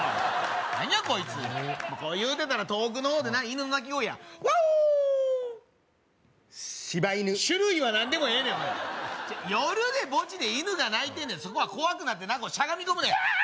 何やこいつ言うてたら遠くの方でな犬の鳴き声やワオーン柴犬種類は何でもええねん夜で墓地で犬が鳴いてんねんそこは怖くなってなしゃがみ込むねんキャーッ！